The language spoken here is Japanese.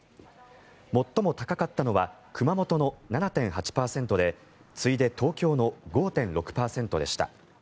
最も高かったのは熊本の７．８％で次いで東京の５．６％でした。